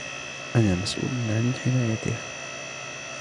أنا مسؤول عن حمايتها.